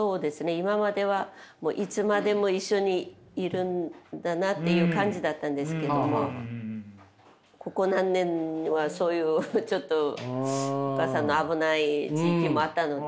今まではいつまでも一緒にいるんだなっていう感じだったんですけどもここ何年はそういうちょっとお母さんの危ない時期もあったので。